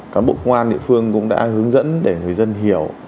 cán bộ công an địa phương cũng đã hướng dẫn để người dân hiểu